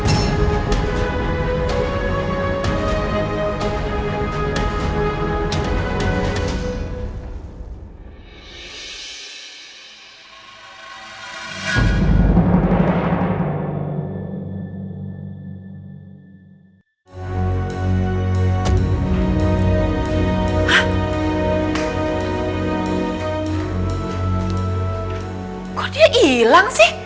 ibu panggilnya suster ya